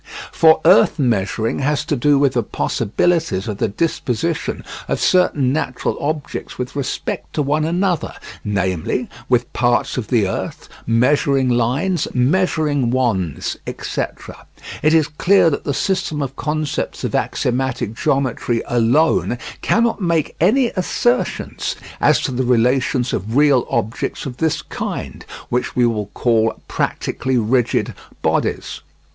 For earth measuring has to do with the possibilities of the disposition of certain natural objects with respect to one another, namely, with parts of the earth, measuring lines, measuring wands, etc. It is clear that the system of concepts of axiomatic geometry alone cannot make any assertions as to the relations of real objects of this kind, which we will call practically rigid bodies.